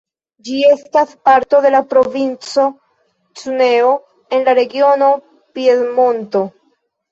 Ĝi estas parto de la provinco Cuneo en la regiono Piemonto.